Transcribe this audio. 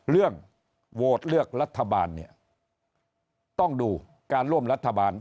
เรื่องโวทธ์เรื่องรัฐบาลต้องดูการร่วมรัฐบาล